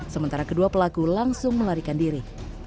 sementara kedua pelaku langsung melarikan diri